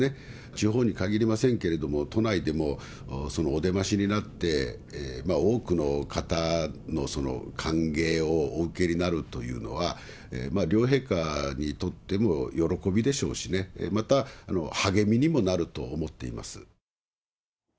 地方に限りませんけれども、都内でもお出ましになって、多くの方の歓迎をお受けになるというのは、両陛下にとっても喜びでしょうしね、また、励みにもなると思っています。